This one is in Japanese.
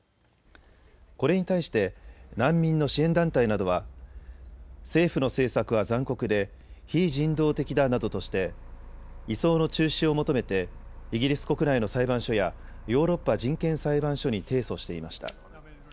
これに対して難民の支援団体などは政府の政策は残酷で非人道的だなどとして移送の中止を求めてイギリス国内の裁判所やヨーロッパ人権裁判所に提訴していました。